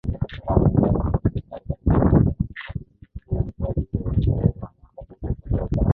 wa Muungano wa Afrika Alikaribia nchi za kikomunisti na kuajiri washauri na wahandisi kutoka